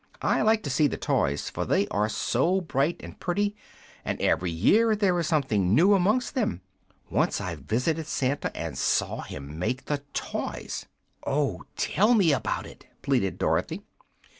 I like to see the toys, for they are so bright and pretty, and every year there is something new amongst them. Once I visited Santa, and saw him make the toys." "Oh, tell me about it!" pleaded Dorothy.